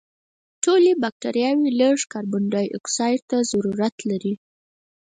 ټولې بکټریاوې لږ کاربن دای اکسایډ ته ضرورت لري.